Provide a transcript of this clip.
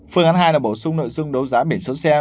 phương án hai là bổ sung nội dung đấu giá biển số xe